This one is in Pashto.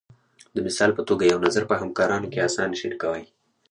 د مثال په توګه یو نظر په همکارانو کې اسانه شریکوئ.